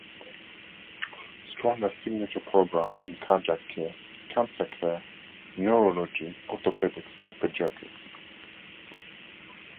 Strong has signature programs in cardiac care, cancer care, neurology, orthopedics and pediatrics.